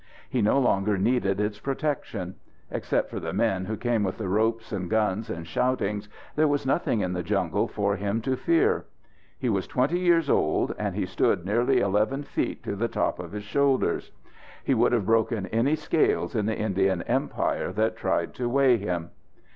He no longer needed its protection. Except for the men who came with the ropes and guns and shoutings, there was nothing in the jungle for him to fear. He was twenty years old, and he stood nearly eleven feet to the top of his shoulders. He would have broken any scales in the Indian Empire that tried to weigh him.